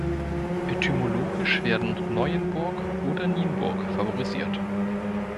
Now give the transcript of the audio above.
Etymologisch werden Neuenburg oder Nienburg favorisiert.